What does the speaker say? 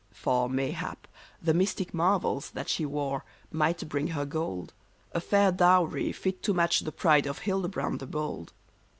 For, mayhap, the mystic marvels that she wove might bring her gold — A fair dowry fit to match the pride of Hildebrand the Bold